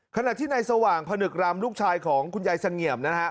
ขณะที่ในสว่างพนึกรำลูกชายของคุณยายเสงี่ยมนะฮะ